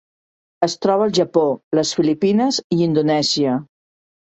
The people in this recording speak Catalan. Es troba al Japó, les Filipines i Indonèsia.